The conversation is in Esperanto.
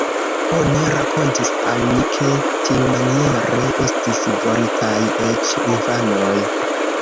Oni rakontis al mi, ke tiumaniere estis voritaj eĉ infanoj.